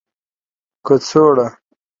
کڅوړه